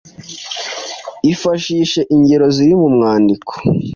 Ifashishe ingero ziri mu mwandiko.